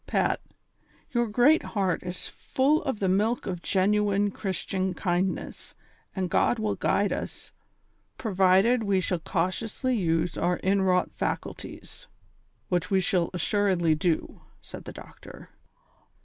'•' Pat, your great heart is full of the milk of genuine Christian kindness, and God will guide us, provided we shall caiitiously use our inwrought faculties, which we shall assuredly do," said the doctor.